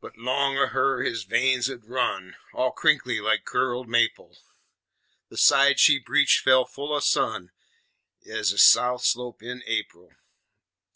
But long o' her his veins 'ould run All crinkly like curled maple; The side she breshed felt full o' sun Ez a south slope in Ap'il.